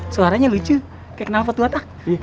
suaranya lucu kayak kenal foto atas